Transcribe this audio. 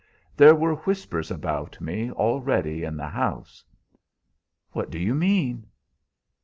There were whispers about me already in the house." "What do you mean?"